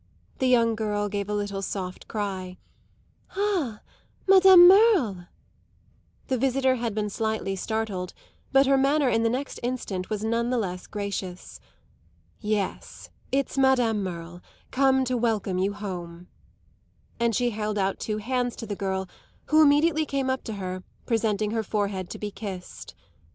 The young girl gave a little soft cry: "Ah, Madame Merle!" The visitor had been slightly startled, but her manner the next instant was none the less gracious. "Yes, it's Madame Merle, come to welcome you home." And she held out two hands to the girl, who immediately came up to her, presenting her forehead to be kissed.